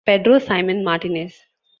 Pedro Simon Martinez.